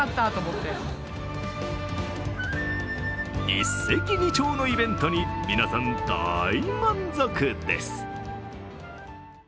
一石二鳥のイベントに皆さん、大満足です。